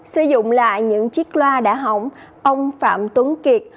sử dụng lại những chiếc loa đã hỏng ông phạm tuấn kiệt